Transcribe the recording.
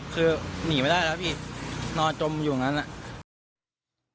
คือหนีไม่ได้แล้วพี่นอนจมอยู่อย่างนั้นอ่ะ